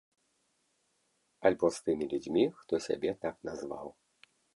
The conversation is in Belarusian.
Альбо з тымі людзьмі, хто сябе так назваў.